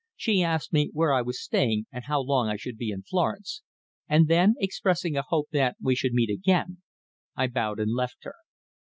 She asked me where I was staying and how long I should be in Florence, and then, expressing a hope that we should meet again, I bowed and left her.